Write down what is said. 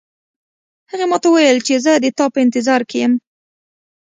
هغې ما ته وویل چې زه د تا په انتظار کې یم